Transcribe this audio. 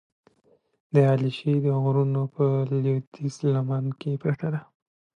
د علیشې د غرونو په لودیځه لمن کې پرته ده،